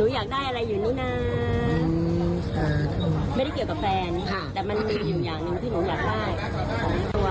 หนูอยากได้อะไรอยู่นี่นะไม่ได้เกี่ยวกับแฟนแต่มันมีอย่างหนึ่งที่หนูอยากได้ของตัว